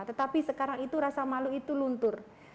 tetapi sekarang itu rasa malu itu luntur